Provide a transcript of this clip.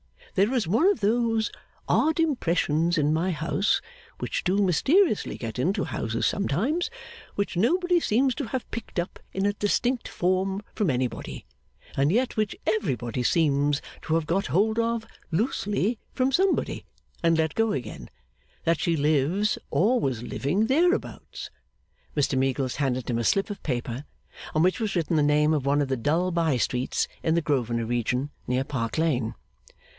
There is one of those odd impressions in my house, which do mysteriously get into houses sometimes, which nobody seems to have picked up in a distinct form from anybody, and yet which everybody seems to have got hold of loosely from somebody and let go again, that she lives, or was living, thereabouts.' Mr Meagles handed him a slip of paper, on which was written the name of one of the dull by streets in the Grosvenor region, near Park Lane.